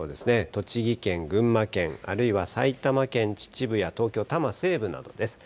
栃木県、群馬県、あるいは埼玉県秩父や東京・多摩西部などです。